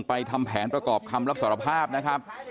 ทำแผนประกอบคำรับสารภาพนะครับ